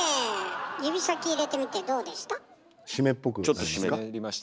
指先入れてみてどうでした？